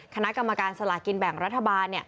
คณะกรรมการสลากินแบ่งรัฐบาล